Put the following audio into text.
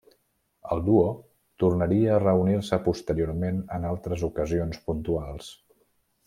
El duo tornaria a reunir-se posteriorment en altres ocasions puntuals.